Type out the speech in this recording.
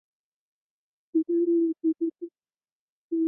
东汪镇是中国河北省邢台市邢台县下辖的一个镇。